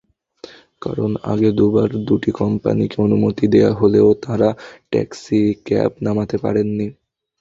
কারণ, আগে দুবার দুটি কোম্পানিকে অনুমতি দেওয়া হলেও তারা ট্যাক্সিক্যাব নামাতে পারেনি।